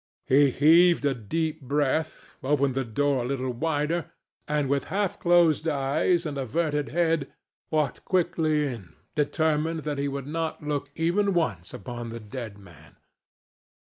He heaved a deep breath, opened the door a little wider, and with half closed eyes and averted head, walked quickly in, determined that he would not look even once upon the dead man.